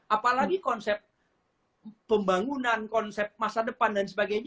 apalagi konsep pembangunan konsep masa depan dan sebagainya